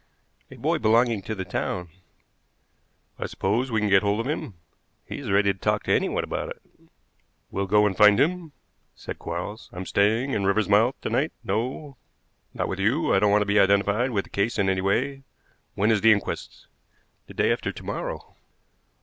"A boy belonging to the town." "I suppose we can get hold of him?" "He is ready to talk to anyone about it." "We'll go and find him," said Quarles. "I'm staying in Riversmouth to night; no, not with you. I don't want to be identified with the case in any way. When is the inquest?" "The day after to morrow."